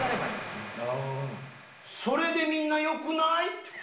それでみんなよくない？